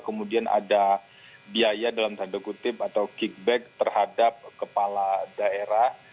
kemudian ada biaya dalam tanda kutip atau kickback terhadap kepala daerah